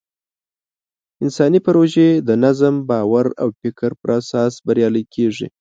انساني پروژې د نظم، باور او فکر په اساس بریالۍ کېږي.